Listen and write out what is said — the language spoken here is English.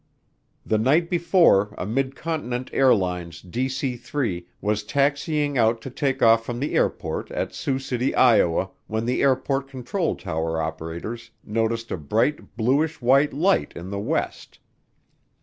The night before a Mid Continent Airlines DC 3 was taxiing out to take off from the airport at Sioux City, Iowa, when the airport control tower operators noticed a bright bluish white light in the west.